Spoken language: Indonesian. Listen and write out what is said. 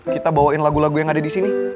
kita bawain lagu lagu yang ada di sini